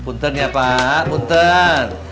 punten ya pak punten